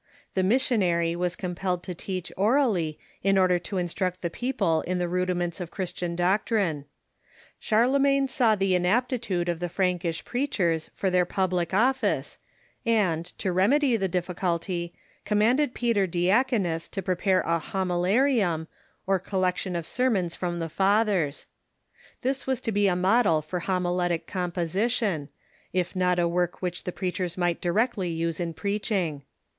The missionary was com pelled to teach orally, in order to instruct the people in ^^^^ the rudiments of Christian doctrine. Charlemagne saw Sermon '~ the inaptitude of the Prankish preachers for their pub lic office, and, to remedy the difficulty, commanded Peter Diaconus to prepare a Homilarium, or collection of sermons from the Fathers. This was to be a model for homiletic composition, if not a work which the preachers might directly use in preaching.